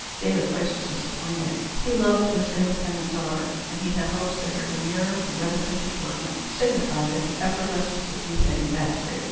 David Price was disappointed. He loved this independent daughter, and he had hopes that her demure and reticent deportment signified that the effervescence of youth had evaporated.